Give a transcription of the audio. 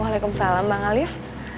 waalaikumsalam bang alif